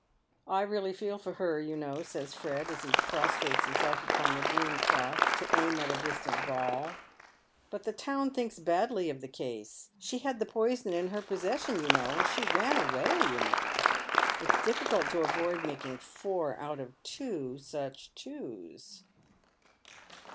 " I really feel for her, you know," says Fred, as he prostrates himself upon the green cloth to aim at a distant ball, " but the town thinks badly of the case. She had the poison in her posses sion, you know, and she ran away, you know. It's difficult to avoid making four out of two such twos."